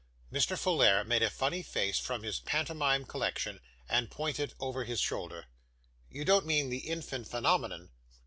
Mr. Folair made a funny face from his pantomime collection, and pointed over his shoulder. 'You don't mean the infant phenomenon?